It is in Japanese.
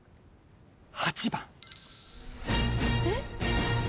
８番。